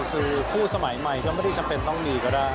คือคู่สมัยใหม่ก็ไม่ได้จำเป็นต้องมีก็ได้